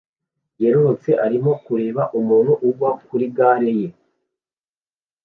ryerurutse arimo kureba umuntu ugwa kuri gare ye